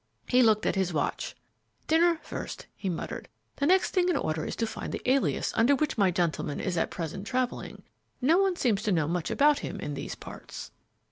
He looked at his watch. "Dinner first," he muttered, "the next thing in order is to find the alias under which my gentleman is at present travelling. No one seems to know much about him in these parts."